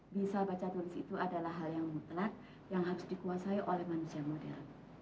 bisa baca tulis itu adalah hal yang mutlak yang harus dikuasai oleh manusia modern